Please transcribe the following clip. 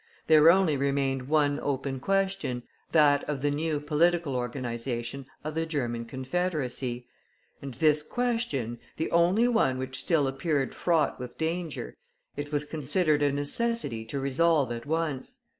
There only remained one open question, that of the new political organization of the German Confederacy. And this question, the only one which still appeared fraught with danger, it was considered a necessity to resolve at once.